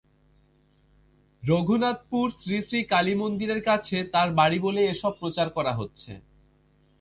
রগুনাথপুর শ্রীশ্রী কালীমন্দিরের কাছে তাঁর বাড়ি বলেই এসব প্রচার করা হচ্ছে।